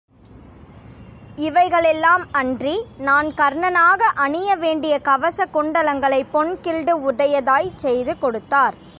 இவைகளெல்லாம் அன்றி, நான் கர்ணனாக அணிய வேண்டிய கவச குண்டலங்களை, பொன் கில்டு உடையதாய்ச் செய்து கொடுத்தார்.